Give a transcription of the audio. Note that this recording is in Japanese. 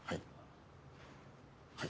はい。